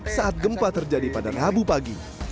saat gempa terjadi pada rabu pagi